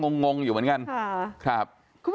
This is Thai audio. งงอยู่เหมือนกันครับ